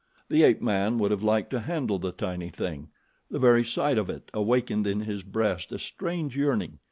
The ape man would have liked to handle the tiny thing. The very sight of it awakened in his breast a strange yearning.